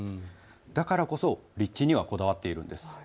だからこそ立地にはこだわっているんです。